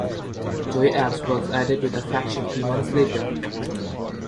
Joey Abs was added to the faction three months later.